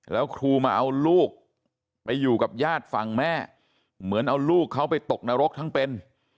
แล้วครูมาเอาลูกไปอยู่กับญาติฝั่งแม่เหมือนเอาลูกเขาไปตกนรกทั้งเป็น